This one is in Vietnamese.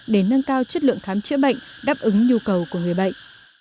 để nâng cao chất lượng khám chữa bệnh đáp ứng nhu cầu của người bệnh